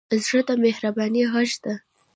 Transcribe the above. زړه د مهربانۍ غېږه ده.